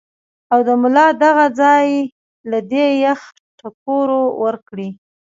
او د ملا دغه ځائے له دې يخ ټکور ورکړي -